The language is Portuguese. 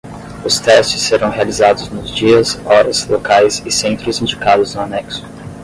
Os testes serão realizados nos dias, horas, locais e centros indicados no anexo.